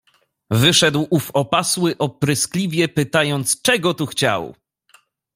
"Wyszedł ów opasły, opryskliwie pytając czego tu chciał."